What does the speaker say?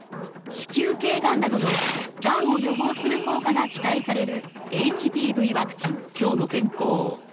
子宮頸がんなどのがんを予防する効果が期待される